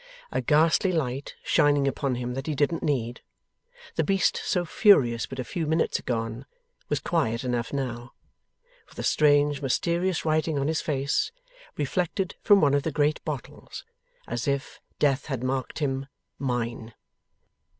A ghastly light shining upon him that he didn't need, the beast so furious but a few minutes gone, was quiet enough now, with a strange mysterious writing on his face, reflected from one of the great bottles, as if Death had marked him: 'Mine.